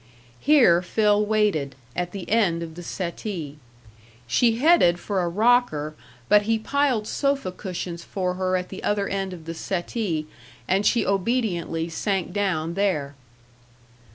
Here Phil waited, at the end of the settee. She headed for a rocker, but he piled sofa cushions for her at the other end of the settee, and she obediently sank down there.